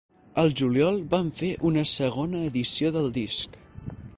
Al juliol, van fer una segona edició del disc.